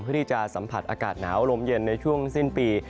ที่จะสัมผัสอากาศหนาวลมเย็นในช่วงสิ้นปี